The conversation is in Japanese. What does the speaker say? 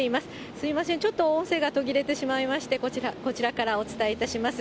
すみません、ちょっと音声が途切れてしまいまして、こちらからお伝えいたします。